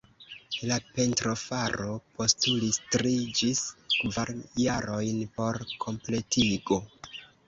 La pentrofaro postulis tri ĝis kvar jarojn por kompletigo.